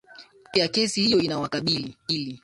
juu ya kesi hiyo inawakabili